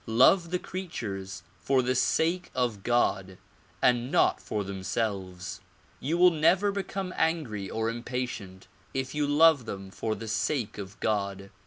Love the creatures for the sake of God and not for themselves. You will never become angiy or impatient if you love them for the sake of God.